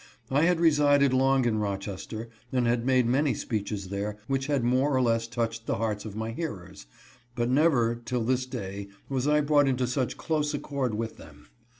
I had resided long in Rochester, and had made many speeches there which had more or less touched the hearts of my hearers, but never till this day was I brought into such close accord with them.